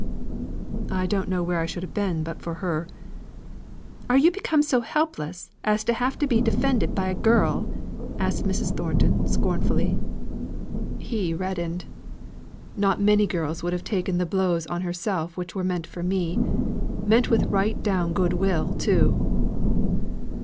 "I don't know where I should have been but for her." "Are you become so helpless as to have to be defended by a girl?" asked Mrs. Thornton scornfully. He reddened. "Not many girls would have taken the blows on herself which were meant for me; meant with right down goodwill, too."